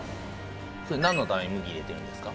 それ何のために麦入れてるんですか？